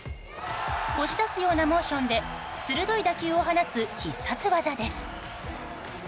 押し出すようなモーションで鋭い打球を放つ必殺技です。